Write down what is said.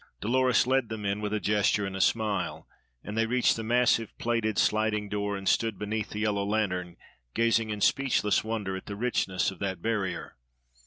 Dolores led them in with a gesture and a smile, and they reached the massive plated sliding door and stood beneath the yellow lantern, gazing in speechless wonder at the richness of that barrier.